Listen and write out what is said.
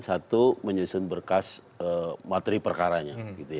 satu menyusun berkas materi perkaranya